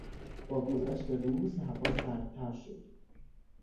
با گذشت روز هوا سردتر شد.